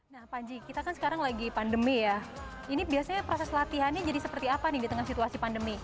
nah panji kita kan sekarang lagi pandemi ya ini biasanya proses latihannya jadi seperti apa nih di tengah situasi pandemi